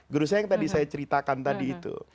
guru saya yang tadi saya ceritakan tadi itu